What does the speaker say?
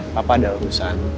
papa ada urusan